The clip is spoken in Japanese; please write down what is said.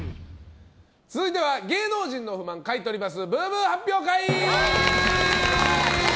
続いては芸能人の不満買い取ります。